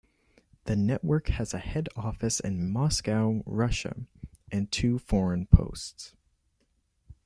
The network has a head office in Moscow, Russia and two foreign posts.